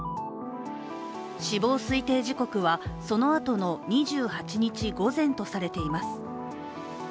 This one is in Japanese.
死亡推定時刻はそのあとの２８日午前とされています。